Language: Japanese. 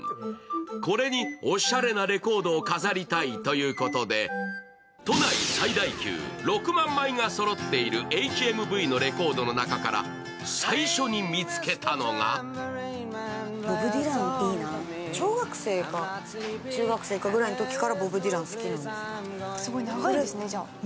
これにおしゃれなレコードを飾りたいということで都内最大級、６万枚がそろっているＨＭＶのレコードの中から最初に見つけたのが小学生か中学生かのときからボブ・ディランが好きで。